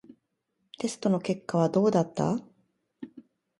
テストの結果はどうだった？